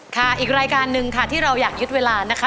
อีกรายการหนึ่งค่ะที่เราอยากยึดเวลานะคะ